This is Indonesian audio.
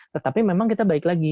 tetapi memang kita baik lagi